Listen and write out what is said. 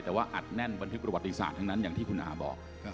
แต่ว่าอัดแน่นบันทึกประวัติศาสตร์ทั้งนั้นอย่างที่คุณอาบอก